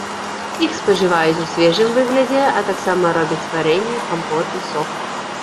Іх спажываюць у свежым выглядзе, а таксама робяць варэнне, кампоты, сок.